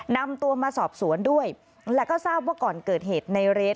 นำตัวมาสอบสวนด้วยแล้วก็ทราบว่าก่อนเกิดเหตุในเรส